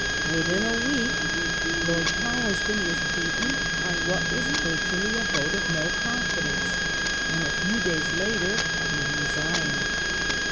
^ Within a week Lord Palmerston was beaten on what was virtually a vote of no confidence, and a few days later he resigned.